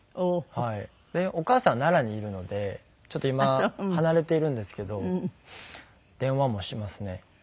でお母さん奈良にいるのでちょっと今離れているんですけど電話もしますね。